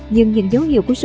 nhưng những dấu hiệu của chúng